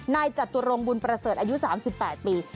นายจัดตัวโรงบุญประเสริฐอายุ๓๘ปี